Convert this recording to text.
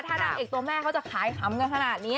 ถ้านางเอกตัวแม่เขาจะขายขำกันขนาดนี้